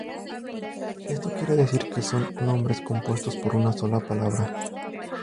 Esto quiere decir que son nombres compuestos por una sola palabra.